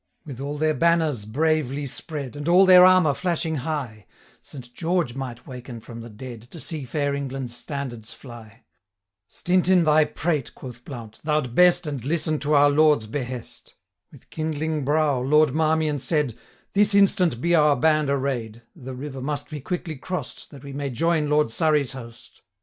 With all their banners bravely spread, And all their armour flashing high, Saint George might waken from the dead, To see fair England's standards fly.' 635 'Stint in thy prate,' quoth Blount, 'thou'dst best, And listen to our lord's behest.' With kindling brow Lord Marmion said, 'This instant be our band array'd; The river must be quickly cross'd, 640 That we may join Lord Surrey's host.